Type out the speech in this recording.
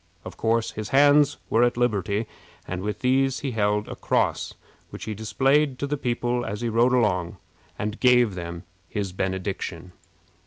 Of course, his hands were at liberty, and with these he held a cross, which he displayed to the people as he rode along, and gave them his benediction.